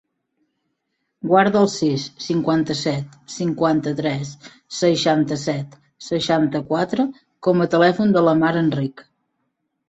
Guarda el sis, cinquanta-set, cinquanta-tres, seixanta-set, seixanta-quatre com a telèfon de la Mar Enrich.